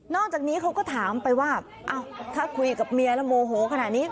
จากนี้เขาก็ถามไปว่าถ้าคุยกับเมียแล้วโมโหขนาดนี้